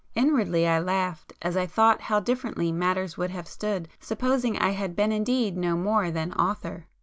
Inwardly I laughed as I thought how differently matters would have stood, supposing I had been indeed no more than 'author'!